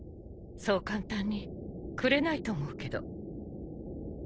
そう簡単にくれないと思うけど